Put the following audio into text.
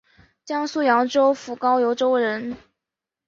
江苏扬州府高邮州人。